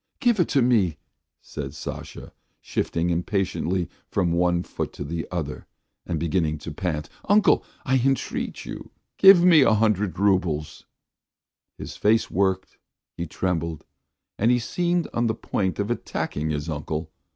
"Give it to me," said Sasha, shifting impatiently from one foot to the other and beginning to pant. "Uncle, I entreat you, give me a hundred roubles." His face worked; he trembled, and seemed on the point of attacking his uncle.